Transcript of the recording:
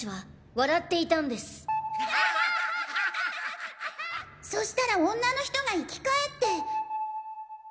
あっはっはそしたら女の人が生き返って。